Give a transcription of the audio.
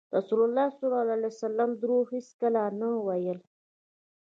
رسول الله ﷺ دروغ هېڅکله نه ویل.